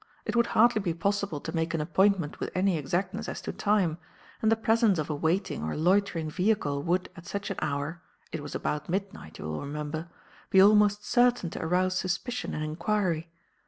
It would hardly be possible to make an appointment with any exactness as to time; and the presence of a waiting or loitering vehicle would, at such an hour it was about midnight, you will remember be almost certain to arouse suspicion and inquiry.